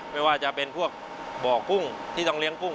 ไม่ว่าจะเป็นพวกบ่อกุ้งที่ต้องเลี้ยงกุ้